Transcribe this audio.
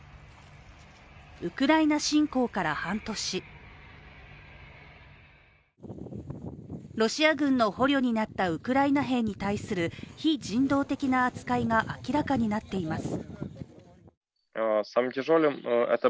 ウクライナ侵攻から半年ロシア人の捕虜になったウクライナ兵に対する非人道的な扱いが明らかになっています。